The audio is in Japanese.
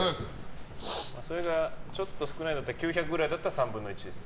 それがちょっと少なくて９００くらいだったら３分の１です。